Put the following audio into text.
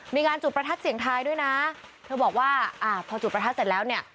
มีการจุดประทัดเสียงทายด้วยนะเธอบอกว่าอ่าพอจุดประทัดเสร็จแล้วเนี่ย